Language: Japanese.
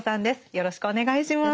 よろしくお願いします。